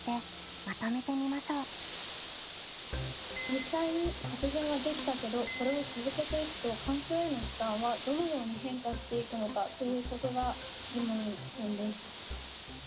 実際に削減はできたけどこれを続けていくと環境への負担はどのように変化していくのかということが疑問点です。